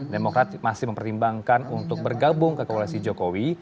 demokrat masih mempertimbangkan untuk bergabung ke koalisi jokowi